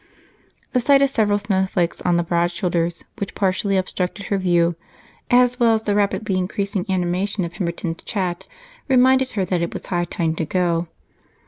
The sight of several snowflakes on the broad shoulders which partially obstructed her view, as well as the rapidly increasing animation of Pemberton's chat, reminded her that it was high time to go.